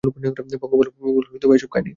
পঙ্গপালগুলো ওসব খায়নি।